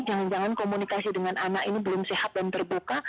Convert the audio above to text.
jangan jangan komunikasi dengan anak ini belum sehat dan terbuka